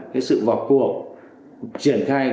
cái sự vọt cuộc triển khai